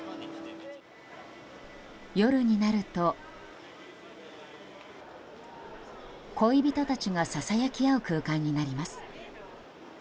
夜になると恋人たちがささやき合う空間になります。